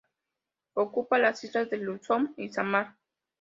Ocupa las islas de Luzón y Sámar.